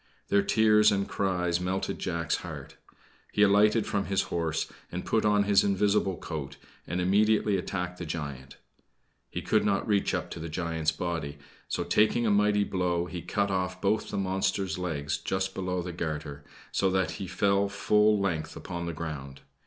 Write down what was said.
Their tears and cries melted Jack's heart. He alighted from his horse, and put on his invisible coat, and immediately attacked the giant. He could not reach up to the giant's body; so, taking a mighty blow, he cut off both the monster's legs just below the garter, so that he fell full length upon the ground.